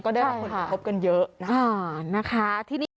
ก็ได้รับคนที่พบกันเยอะนะ